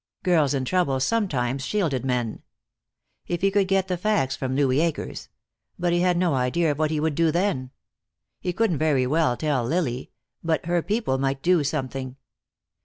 Girls in trouble sometimes shielded men. If he could get the facts from Louis Akers but he had no idea of what he would do then. He couldn't very well tell Lily, but her people might do something.